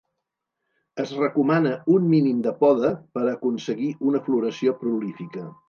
Es recomana un mínim de poda per aconseguir una floració prolífica.